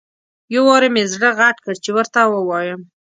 یو وارې مې زړه غټ کړ چې ورته ووایم.